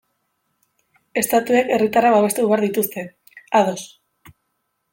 Estatuek herritarrak babestu behar dituzte, ados.